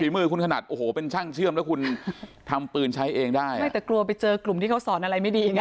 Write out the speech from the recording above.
ฝึกที่มันทางที่ดี